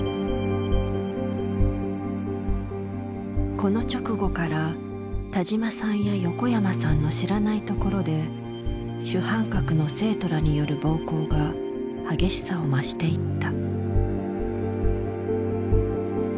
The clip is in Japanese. この直後から田嶋さんや横山さんの知らないところで主犯格の生徒らによる暴行が激しさを増していった。